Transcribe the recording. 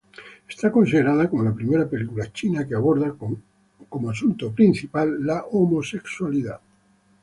Es considerada como la primera película china que aborda como asunto principal la homosexualidad.